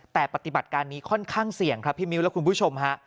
แต่ปฏิบัติการนี้ค่อนข้างเสี่ยงครับพี่มิ้วและคุณผู้ชมฮะ